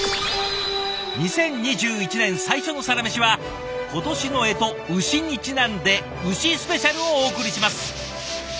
２０２１年最初の「サラメシ」は今年の干支牛にちなんで牛スペシャルをお送りします！